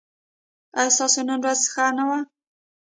ایا ستاسو نن ورځ ښه نه وه؟